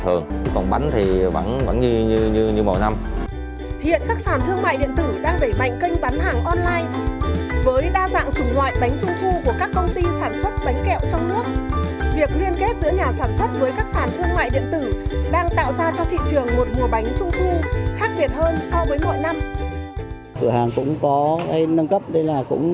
hiện các sản thương mại điện tử đang đẩy mạnh kênh bán hàng online với đa dạng chủ ngoại bánh trung